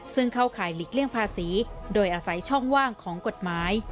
ซึ่งเข้าข่ายหลีกเลี่ยงภาษีโดยอาศัยช่องว่างของกฎหมาย